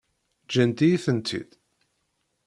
Ǧǧant-iyi-tent-id?